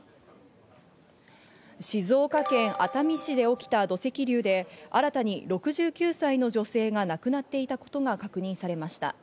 静岡県熱海市で起きた土石流で新たに６９歳の女性が亡くなっていたことが確認されました。